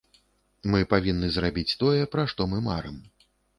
Мы павінны зрабіць тое, пра што мы марым.